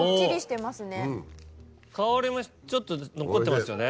香りもちょっと残ってますよね。